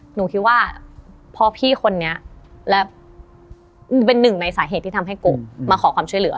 หนูคิดว่าพอพี่คนนี้และเป็นหนึ่งในสาเหตุที่ทำให้โกมาขอความช่วยเหลือ